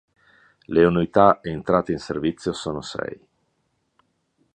Le unità entrate in servizio sono sei.